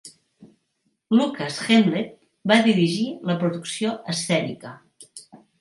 Lukas Hemleb va dirigir la producció escènica.